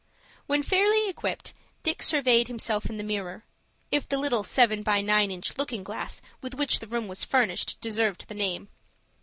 When fairly equipped, Dick surveyed himself in the mirror,—if the little seven by nine inch looking glass, with which the room was furnished, deserved the name.